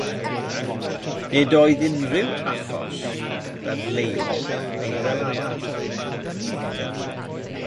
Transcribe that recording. Nid oedd unrhyw "achos," dadleuol neu fel arall.